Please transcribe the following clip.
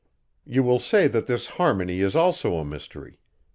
You will say that this harmony is also a mystery.